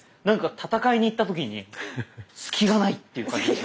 なんか戦いに行った時に隙がないっていう感じ。